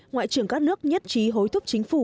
ngoại trưởng các nước nhất trí hối thúc chính phủ